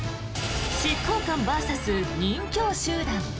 執行官ＶＳ任侠集団。